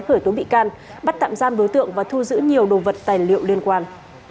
khởi tố bị can bắt tạm giam đối tượng và thu giữ nhiều đồ vật tài liệu liên quan